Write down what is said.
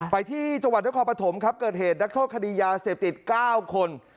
ไปที่จังหวัดนครปฐมครับเกิดเหตุนักโทษคดียาเสพติด๙คน